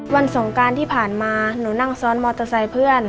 สงการที่ผ่านมาหนูนั่งซ้อนมอเตอร์ไซค์เพื่อน